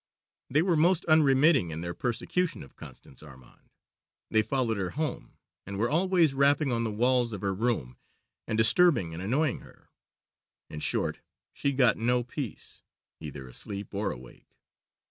They were most unremitting in their persecution of Constance Armande; they followed her home, and were always rapping on the walls of her room and disturbing and annoying her. In short, she got no peace, either asleep or awake.